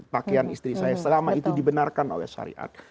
pakaian istri saya selama itu dibenarkan oleh syariat